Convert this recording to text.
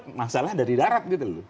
itu masalah dari darat